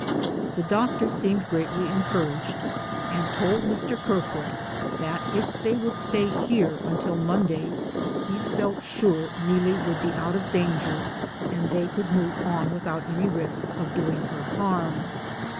The doctor seemed greatly encouraged and told Mr. Kerfoot that if they would stay here until Monday he felt sure Neelie would be out of danger and they could move on i84 DAYS ON THE ROAD. without any risk of doing her harm.